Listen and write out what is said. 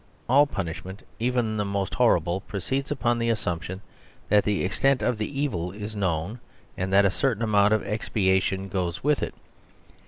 All punishment, even the most horrible, proceeds upon the assumption that the extent of the evil is known, and that a certain amount of expiation goes with it.